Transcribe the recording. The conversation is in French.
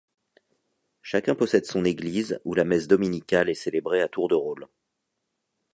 Chacun possède son église où la messe dominicale est célébrée à tour de rôle.